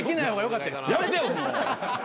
やめてよ！